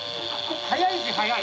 早いし早い！